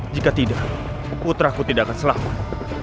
jika tidak putraku tidak akan selamat